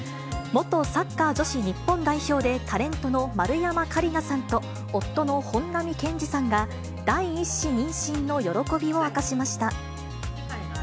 元サッカー女子日本代表でタレントの丸山桂里奈さんと夫の本並健治さんが、第１子妊娠の喜びを明かしました。